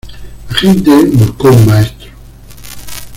La gente buscó un maestro.